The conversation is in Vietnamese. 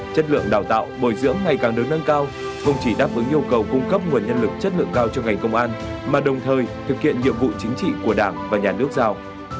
chất lượng đào tạo bồi dưỡng ngày càng đứng nâng cao không chỉ đáp ứng yêu cầu cung cấp nguồn nhân lực chất lượng cao cho ngành công an mà đồng thời thực hiện nhiệm vụ chính trị của đảng và nhà nước giao